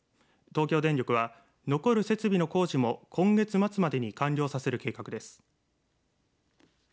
東京電力は残る設備の工事も今月末までに完了させる計画です。